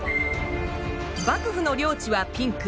幕府の領地はピンク。